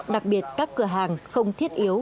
đặc biệt các cửa hàng không thiết yếu